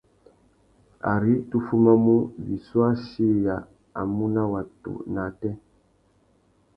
Ari tu fumamú, wissú achiya a mù nà watu nà ātê.